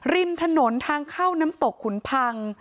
ริมถนนทางเข้าน้ำตกขุนพัง